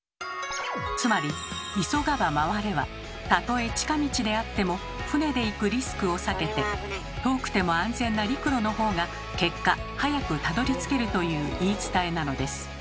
つまり「急がば回れ」はたとえ近道であっても船で行くリスクを避けて遠くても安全な陸路の方が結果早くたどりつけるという言い伝えなのです。